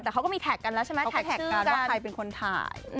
แต่เขาก็มีแท็กกันแล้วใช่ไหมแท็กกันว่าใครเป็นคนถ่าย